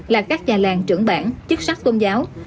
là các nhà làng trưởng bản chức sắc tôn giáo